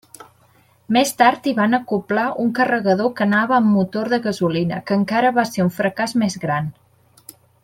Més tard hi van acoblar un carregador que anava amb motor de gasolina, que encara va ser un fracàs més gran.